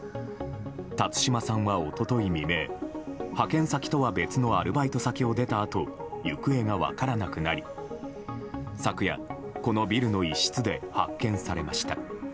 辰島さんは一昨日未明派遣先とは別のアルバイト先を出たあと行方が分からなくなり昨夜、このビルの一室で発見されました。